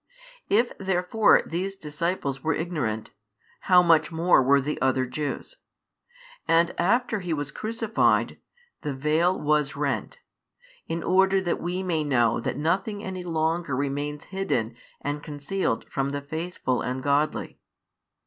If therefore these disciples were ignorant, how much more |143 were the other Jews. And after He was crucified, the veil was rent, in order that we may know that nothing any longer remains hidden and concealed from the faithful and godly.